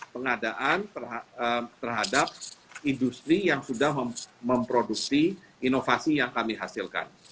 pengadaan terhadap industri yang sudah memproduksi inovasi yang kami hasilkan